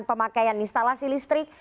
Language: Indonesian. pemakaian instalasi listrik